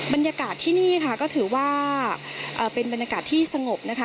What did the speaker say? บรรยากาศที่นี่ค่ะก็ถือว่าเป็นบรรยากาศที่สงบนะคะ